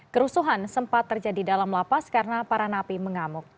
kerusuhan sempat terjadi dalam lapas karena para napi mengamuk